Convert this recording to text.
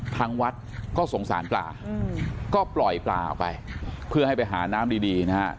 ทางวัดก็สงสารปลาก็ปล่อยปลาออกไปเพื่อให้ไปหาน้ำดีดีนะฮะ